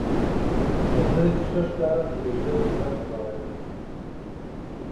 په ږیره کې ښه ښکارم که له ږیرې پرته؟ ما وویل.